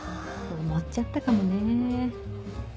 思っちゃったかもね。